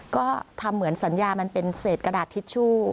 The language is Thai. ก็ทำเหมือนสัญญามันเป็นเศษกระดาษทิชชู่